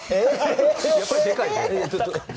やっぱりでかいね。